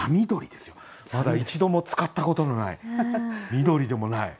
まだ一度も使ったことのない緑でもないさ緑。